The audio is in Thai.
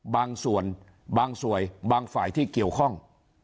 บางส่วนบางส่วนบางฝ่ายที่เกี่ยวข้อง